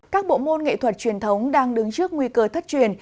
các bộ môn nghệ thuật truyền thống đang đứng trước nguy cơ thất truyền